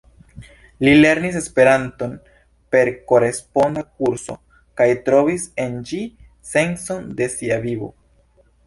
Li lernis Esperanton per koresponda kurso kaj trovis en ĝi sencon de sia vivo.